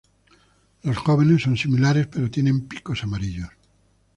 Los jóvenes son similares, pero tienen picos amarillos.